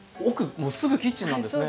もうすぐキッチンなんですね。